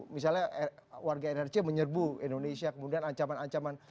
misalnya warga nrc menyerbu indonesia kemudian ancaman ancaman